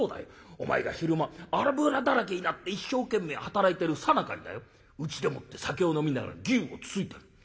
お前が昼間油だらけになって一生懸命働いてるさなかにだようちでもって酒を飲みながら牛をつついてる。